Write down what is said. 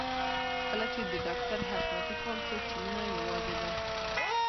کله چې د ډاکټر حشمتي پام شو چې مينه يوازې ده.